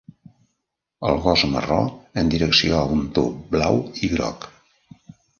El gos marró en direcció a un tub blau i groc.